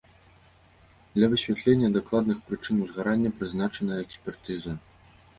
Для высвятлення дакладных прычын узгарання прызначаная экспертыза.